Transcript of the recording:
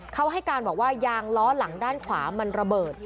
เขาให้การบอกว่ายางล้อหลังด้านขวามันระเบิด